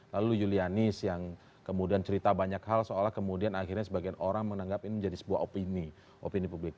lalu julianis yang kemudian cerita banyak hal seolah kemudian akhirnya sebagian orang menganggap ini menjadi sebuah opini opini publik